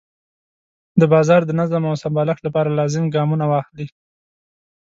د بازار د نظم او سمبالښت لپاره لازم ګامونه واخلي.